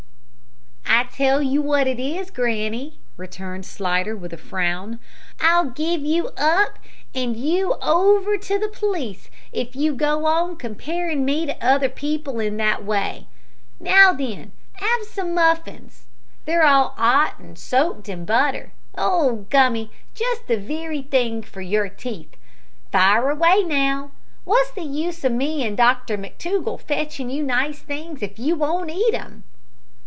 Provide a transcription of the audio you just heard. "I tell you what it is, granny," returned Slidder, with a frown, "I'll give you up an' 'and you over to the p'leece if you go on comparin' me to other people in that way. Now, then, 'ave some muffins. They're all 'ot and soaked in butter, old Gummy, just the wery thing for your teeth. Fire away, now! Wot's the use o' me an' Dr McTougall fetchin' you nice things if you won't eat 'em?"